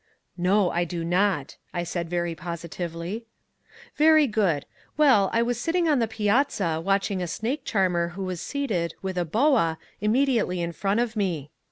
"No, I do not," I said very positively. "Very good. Well, I was sitting on the piazza watching a snake charmer who was seated, with a boa, immediately in front of me.